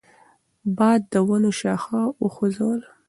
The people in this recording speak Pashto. باد د ونو شاخه وخوځوله.